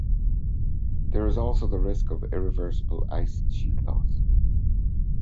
There is also the risk of irreversible ice sheet loss.